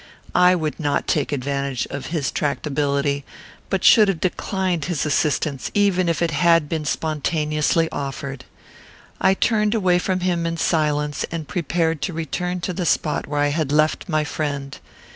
I would not take advantage of his tractability; but should have declined his assistance, even if it had been spontaneously offered. I turned away from him in silence, and prepared to return to the spot where I had left my friend.